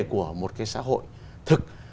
của một cái xã hội thực